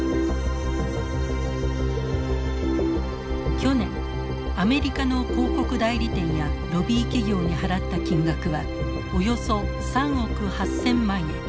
去年アメリカの広告代理店やロビー企業に払った金額はおよそ３億８，０００万円。